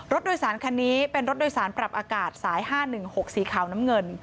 รถโดยสารคันนี้เป็นรถโดยสารปรับอากาศสาย๕๑๖สีขาวน้ำเงิน